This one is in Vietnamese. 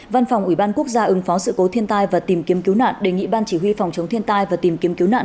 văn phòng ủy ban quốc gia ứng phó sự cố thiên tai và tìm kiếm cứu nạn đề nghị ban chỉ huy phòng chống thiên tai và tìm kiếm cứu nạn